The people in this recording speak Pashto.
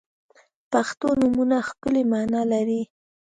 • پښتو نومونه ښکلی معنا لري.